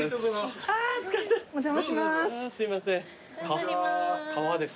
お邪魔します。